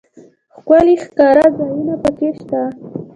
ښکلي ښکارځایونه پکښې شته.